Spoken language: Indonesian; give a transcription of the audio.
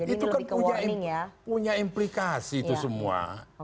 itu kan punya implikasi itu semua